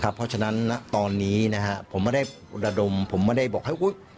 เพราะฉะนั้นตอนนี้นะครับผมไม่ได้ระดมผมไม่ได้บอกว่า